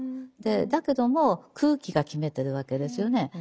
だけども空気が決めてるわけですよね。